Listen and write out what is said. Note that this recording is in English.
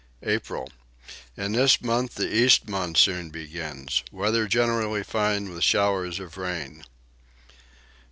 April. In this month the east monsoon begins. Weather generally fine with showers of rain.